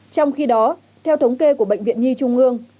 trong khi đó theo thống kê của bệnh viện nhi trung ương